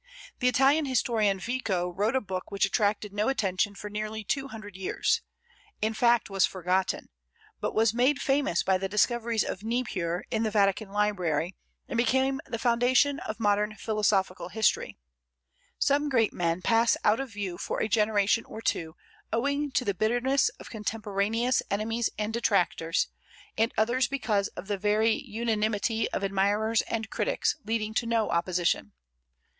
The Italian historian Vico wrote a book which attracted no attention for nearly two hundred years, in fact, was forgotten, but was made famous by the discoveries of Niebuhr in the Vatican library, and became the foundation of modern philosophical history. Some great men pass out of view for a generation or two owing to the bitterness of contemporaneous enemies and detractors, and others because of the very unanimity of admirers and critics, leading to no opposition.